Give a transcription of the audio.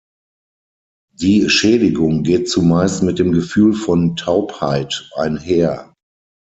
Die Schädigung geht zumeist mit dem Gefühl von Taubheit einher.